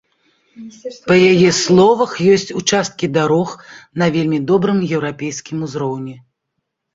Па яе словах ёсць участкі дарог на вельмі добрым еўрапейскім узроўні.